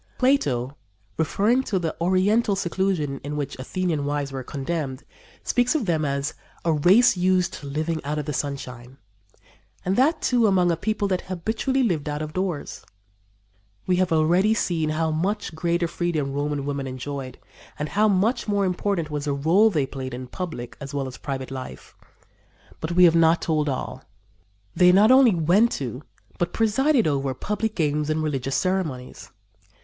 Plato, referring to the oriental seclusion to which Athenian wives were condemned, speaks of them as "a race used to living out of the sunshine," and that, too, among a people that habitually lived out of doors. We have already seen how much greater freedom Roman women enjoyed and how much more important was the rôle they played in public as well as private life; but we have not told all. They not only went to, but presided over, public games and religious ceremonies.